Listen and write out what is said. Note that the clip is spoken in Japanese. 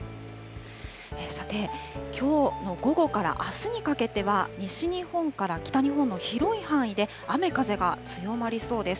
さて、きょうの午後からあすにかけては、西日本から北日本の広い範囲で雨風が強まりそうです。